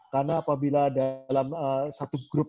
karena apabila dalam satu grup